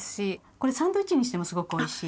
これサンドイッチにしてもすごくおいしい。